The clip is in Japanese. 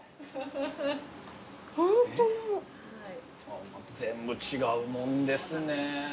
あっ全部違うもんですね。